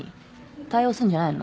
対応するんじゃないの？